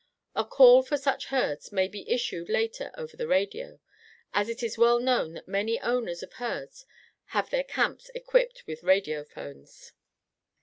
A call for such herds may be issued later over the radio, as it is well known that many owners of herds have their camps equipped with radio phones."